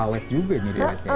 awet juga ini dia